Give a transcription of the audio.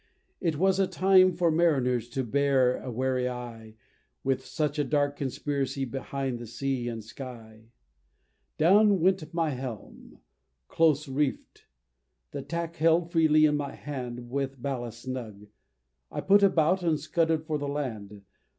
It was a time for mariners to bear a wary eye With such a dark conspiracy between the sea and sky! Down went my helm close reef'd the tack held freely in my hand With ballast snug I put about, and scudded for the land.